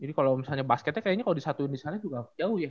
jadi kalo misalnya basketnya kayaknya kalo disatuin disana juga jauh ya